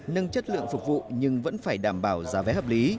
nâng chất lượng phục vụ nhưng vẫn phải đảm bảo giá vé hợp lý